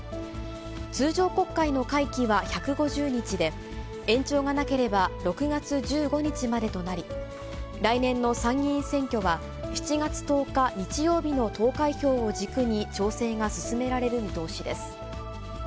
通常国会の会期は１５０日で、延長がなければ、６月１５日までとなり、来年の参議院選挙は、７月１０日日曜日の投開票を軸に、調整が進められる見通しです。